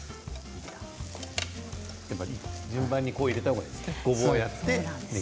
順番に入れた方がいいんですね。